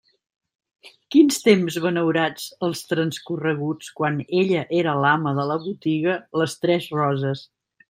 Quins temps benaurats els transcorreguts quan ella era l'ama de la botiga Les Tres Roses!